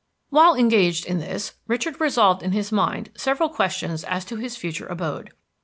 While engaged in this, Richard resolved in his mind several questions as to his future abode.